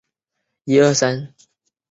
当高僧祖古内。